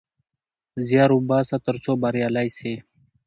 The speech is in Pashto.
زيار وباسه ترڅو بريالی سې